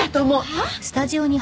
はっ？